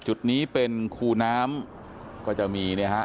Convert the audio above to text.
จุดนี้เป็นคูน้ำก็จะมีเนี่ยฮะ